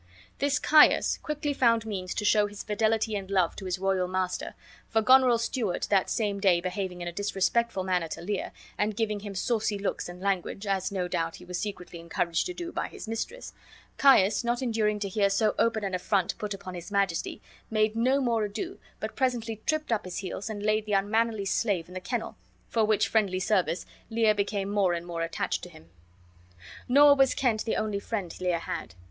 This Caius quickly found means to show his fidelity and love to his royal master, for, Goneril's steward that same day behaving in a disrespectful manner to Lear, and giving him saucy looks and language, as no doubt he was secretly encouraged to do by his mistress, Caius, not enduring to hear so open an affront put upon his Majesty, made no more ado, but presently tripped up his heels and laid the unmannerly slave in the kennel; for which friendly service Lear became more and more attached to him. Nor was Kent the only friend Lear had.